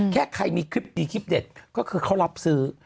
แค่ใครมีคลิปดีคลิปเด็ดก็คือเขารับซื้อ